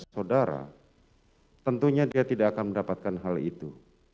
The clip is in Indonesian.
saudara tentunya dia tidak akan mendapatkan hal itu